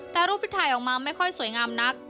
แต่รูปที่ถ่ายออกมาไม่ค่อยสวยงามนัก